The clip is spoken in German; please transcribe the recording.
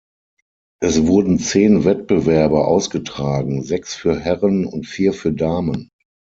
Es wurden zehn Wettbewerbe ausgetragen, sechs für Herren und vier für Damen.